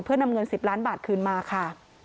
เพื่อนำเงิน๑๐ล้านบาทคืนมาค่ะ